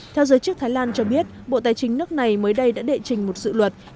theo giới chức thái lan cho biết bộ tài chính nước này mới đây đã đệ trình một dự luật